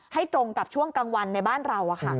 ตรงกับช่วงกลางวันในบ้านเรา